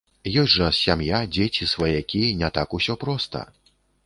Ёсць жа сям'я, дзеці, сваякі, не так усё проста.